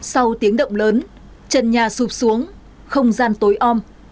sau tiếng động lớn chân nhà xụp xuống không gian tối om